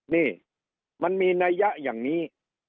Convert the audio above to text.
นี่มันมีนัยยะอย่างนี้